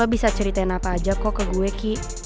bisa ceritain apa aja kok ke gue ki